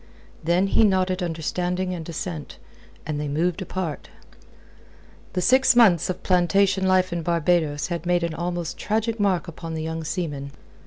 Then he nodded understanding and assent, and they moved apart. The six months of plantation life in Barbados had made an almost tragic mark upon the young seaman.